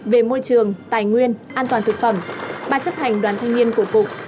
về môi trường tài nguyên an toàn thực phẩm ba chấp hành đoàn thanh niên của cục